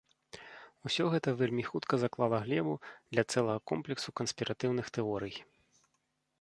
Усё гэта вельмі хутка заклала глебу для цэлага комплексу канспіратыўных тэорый.